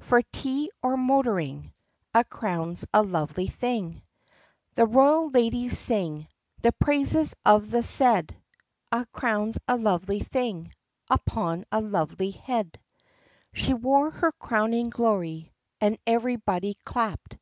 For tea or motoring A crown's a lovely thing. The royal ladies sing The praises of the said. A crown 's a lovely thing Upon a lovely head! B She wore her crowning glory And everybody clapped.